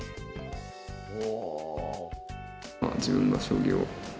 おお。